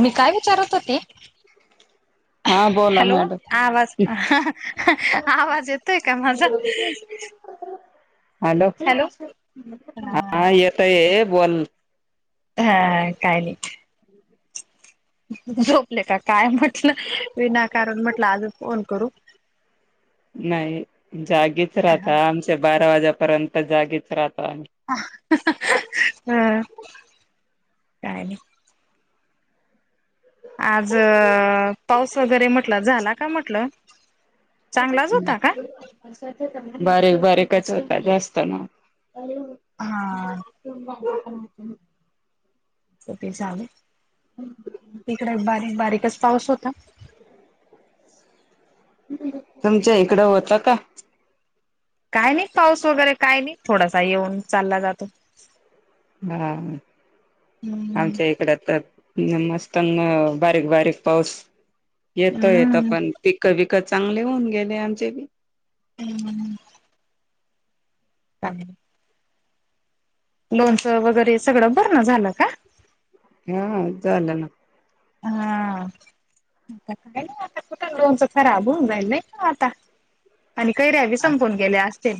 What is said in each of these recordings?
मी काय विचारत होते.. हां ब. हॅलो आवाज आवाज येतोय. का माझा. हॅलो हा येत ये बोल. हा काही नाही.. ह. झोपले का काय म्हटलं विनाकारण म्हटलं आज फोन करू. नाही जागीच राहता. आमच्या बारा वाजेपर्यंत जागीच राहता आम्ही. हम्. काय नाही.. आज पाऊस वगैरे म्हटलं झाला का म्हटलं. चांगलाच होता का? बर बरेकच होतात जास्त ना. हा [unintelligible] हो ते इकडे बारीक बारीकच पाऊस होता.. तुमच्या इकडं होत का?. काय नाही पाऊस वगैरे काय नाही. थोडासा येऊन चालला जातो. हा हम्म आमच्या इकड तर मस्त बारीक बारीक पाऊस येतो येत हम्म. पण पिक बिक चांगले होऊन गेले. आमचे बी हम्म चांगले लोणचं वगैरे सगळं बरण झालं का हा झालं ना हा आता काय नाही आता कुठ लोनच खराब होऊन जाईल नाही का आता आणि कैऱ्यावी संपून गेल्या असतील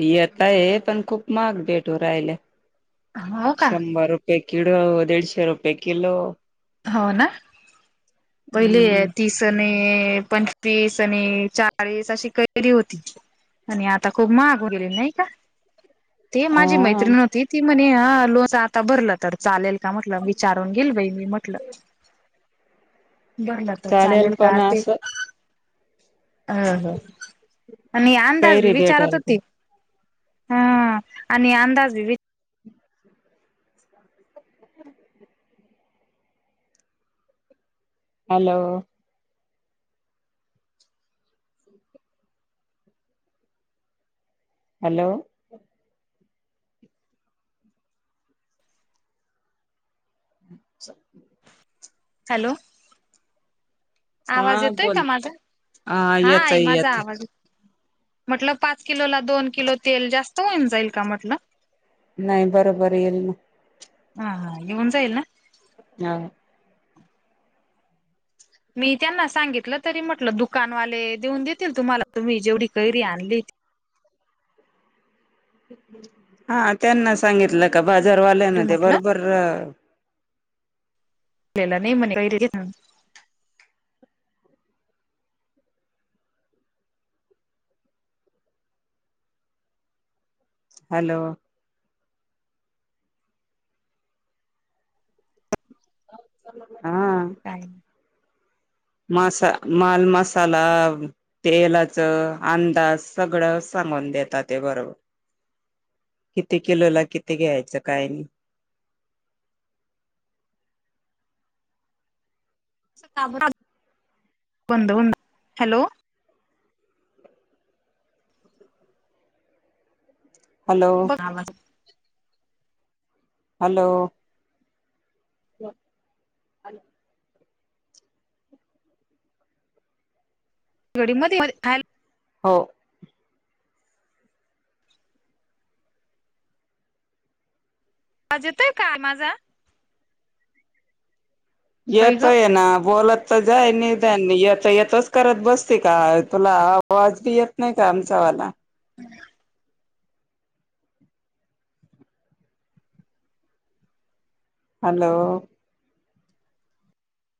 येत आहे पण खूप महाग भेटू राहिला हो का शंभर रुपे रुपये किड दिडशे रुपये किलो हो ना पहिले हम्म तीस आणि पंचवीस आणि चाळीस अशी कैरी होती आणि आता खूप महाग होऊन गेली नाही का ते माझी हा मैत्रीण व्हती ती म्हणे लोनच आता भरलं तर चालेल का म्हटलं विचारून गेल वई मी म्हटलं बरलं तर चालेल का पण ते असं अ ह आणि अंदाज कैरी विचारत भेटाल का होती हा आणि अंदाज [inaudible] हॅलो हॅलो अ्छा हॅलो हा आवाज येतोय बोल का माझा? हा आई येतय माझा येत आवाज म्हटलं पाच किलो ला दोन किलो तेल जास्त होऊन जाईल का म्हटलं नाही बरोबर येईल ना हा हा निघून जााईल ना हा मी त्यांना सांगितलं तरी म्हटलं दुकानवाले देऊन देतील तुम्हाला तुम्ही जेवढी कैरी आणली हा त्यांना सांगितलं का बाजारवाल्यान तेवढी ते म्हटलं बरोबर नाही मगं कैरी हॅलो हा काय? मासा माल मसाला तेलाच अंदाज सगळं सांगून देतात ते बरोबर किती किलो ला किती घ्यायचं काय बंद हो हॅलो हॅलो बरोबर. हॅलो [inaudible] घडी मध्ये हॅ हो आवाज येतय का माझा? बाई ग येतोय आहे ना बोला ता जाय नि येतो, येतोच करत बसते का तुला आवाज बी येत नाही का आमचा वाला हम्. हॅलो